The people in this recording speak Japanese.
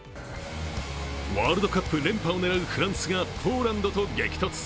ワールドカップ連覇を狙うフランスがポーランドと激突。